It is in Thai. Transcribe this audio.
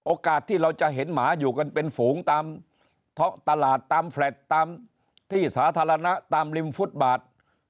ที่เราจะเห็นหมาอยู่กันเป็นฝูงตามตลาดตามแฟลตตามที่สาธารณะตามริมฟุตบาท